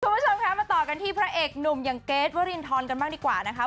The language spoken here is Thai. คุณผู้ชมคะมาต่อกันที่พระเอกหนุ่มอย่างเกรทวรินทรกันบ้างดีกว่านะคะ